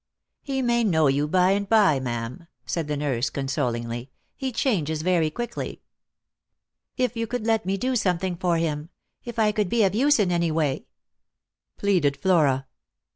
" He may know you by and by, ma'am," said the nurse con solingly. " He changes very quickly." "If you could let me do something for him; if I could be of use, in any way," pleaded Flora.